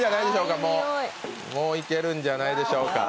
もういけるんじゃないでしょうか。